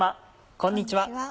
こんにちは。